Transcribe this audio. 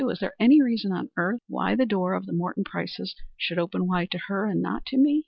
Is there any reason on earth why the door of the Morton Prices should open wide to her and not to me?"